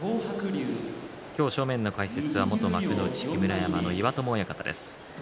今日、正面の解説は元幕内木村山の岩友親方です。